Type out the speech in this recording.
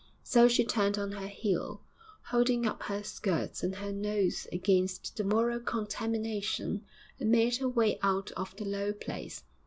So she turned on her heel, holding up her skirts and her nose against the moral contamination and made her way out of the low place.